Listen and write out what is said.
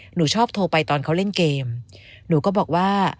หนูชอบโทรไปตอนเขาเล่นเกมหนูก็บอกว่า